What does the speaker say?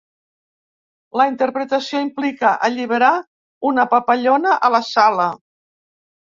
La interpretació implica alliberar una papallona a la sala.